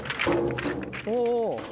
おお。